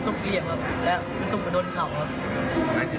กระตุกเมื่อยครับเหลี่ยมเมื่อยครับ